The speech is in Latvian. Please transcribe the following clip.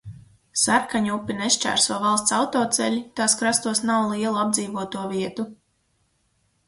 Sarkaņupi nešķērso valsts autoceļi, tās krastos nav lielu apdzīvoto vietu.